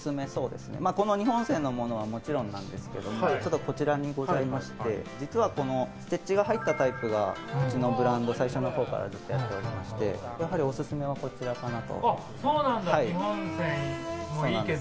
この２本線のものはもちろんなんですがこちらにございまして実はステッチが入ったタイプがうちのブランド、最初のほうからずっとやっておりましてやはりオススメはこちらかなと。